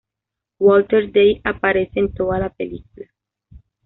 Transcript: Walter Day aparece en toda la película.